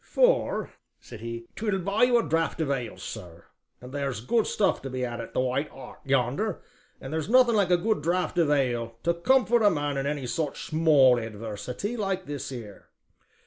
"For," said he, "'t will buy you a draught of ale, sir, and there's good stuff to be had at 'The White Hart' yonder, and there's nothin' like a draught of good ale to comfort a man in any such small adversity like this here.